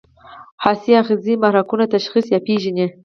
حسي آخذې محرکونه تشخیص یا پېژني.